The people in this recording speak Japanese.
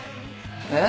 えっ？